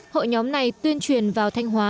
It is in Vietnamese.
hội nhóm này tuyên truyền vào thanh hóa